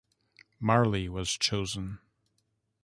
Marly was chosen.